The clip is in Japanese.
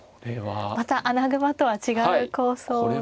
また穴熊とは違う構想でしょうか。